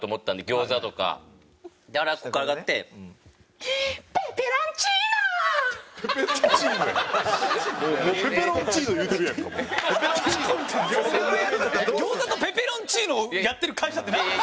餃子とペペロンチーノをやってる会社ってなんですか？